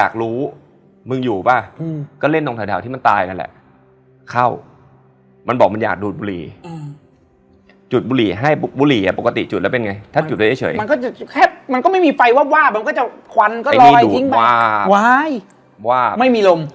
แอร์ก็เย็นไงเราก็แบบเออไม่ไหวใช่ไหม